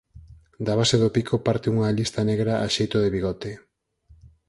Da base do pico parte unha lista negra a xeito de bigote.